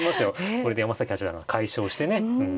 これで山崎八段が快勝してね。